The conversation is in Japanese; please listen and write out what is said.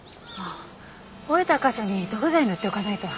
折れた箇所に塗布剤塗っておかないと。